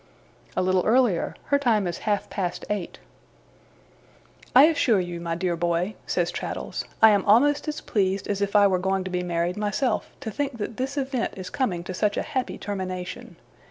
'A little earlier. Her time is half past eight.' 'I assure you, my dear boy,' says Traddles, 'I am almost as pleased as if I were going to be married myself, to think that this event is coming to such a happy termination.